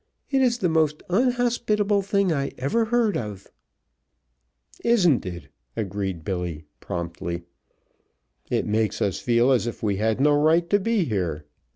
It is the most unhospitable thing I ever heard of!" "Isn't it?" agreed Billy, promptly. "It makes us feel as if we had no right to be here.